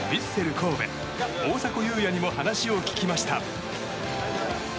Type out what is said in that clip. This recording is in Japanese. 神戸大迫勇也にも話を聞きました。